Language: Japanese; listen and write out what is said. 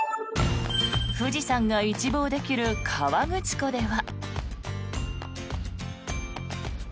富士山が一望できる河口湖では。